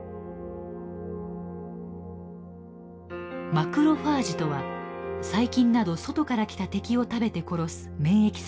マクロファージとは細菌など外から来た敵を食べて殺す免疫細胞です。